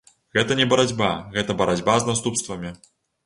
Гэта не барацьба, гэта барацьба з наступствамі.